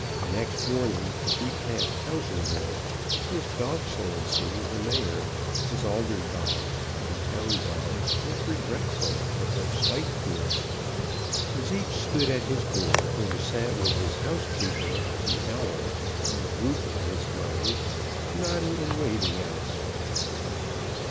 Next morning as we passed Towserville, his dogcellency, the Mayor, his alderdogs and towndogs looked regretful of their slight to us, as each stood at his door or sat with his housekeeper, the owl, on the roof of his dwelling, nodding and waving at us.